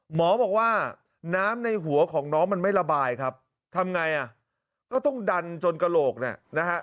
หมอบอกว่าน้ำในหัวของน้องมันไม่ระบายครับทำไงก็ต้องดันจนกะโหลก